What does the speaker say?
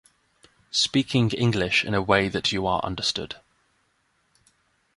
Speaking english in a way that you are understood.